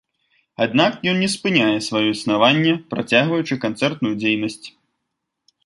Аднак ён не спыняе сваё існаванне, працягваючы канцэртную дзейнасць.